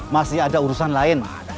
masih ada urusan lain